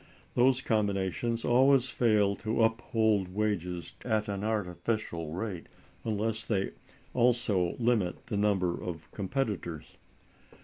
Those combinations always fail to uphold wages at an artificial rate unless they also limit the number of competitors.